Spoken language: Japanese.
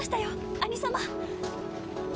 兄様。